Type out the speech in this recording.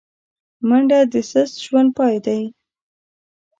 منډه د سست ژوند پای دی